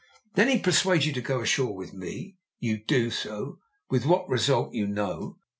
Then he persuades you to go ashore with me. You do so, with what result you know.